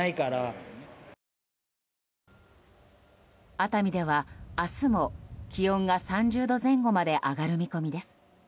熱海では明日も気温が３０度前後まで上がる見込みです。